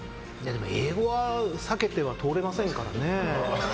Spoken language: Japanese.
英語は避けては通れませんからね。